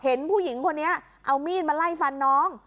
เห็นผู้หญิงคนนี้เอามีดมาไล่ฟันน้อง